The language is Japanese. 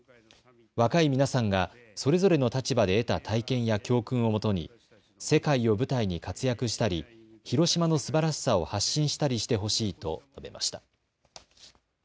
若い皆さんがそれぞれの立場で得た体験や教訓をもとに世界を舞台に活躍したり広島のすばらしさを発信したりしてほしいと述べました。